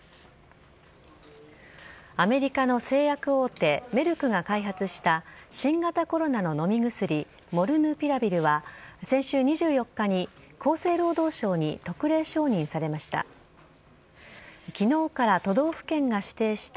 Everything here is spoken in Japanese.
アメリカの製薬大手メルクが開発した新型コロナの飲み薬、モルヌピラビルは先週２４日に厚生労働省に特例承認されました。